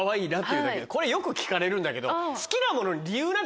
これよく聞かれるんだけど。